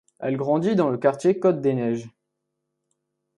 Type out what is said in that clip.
Elle grandit dans le quartier Côte-des-Neiges.